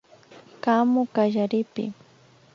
Kamu kallaripi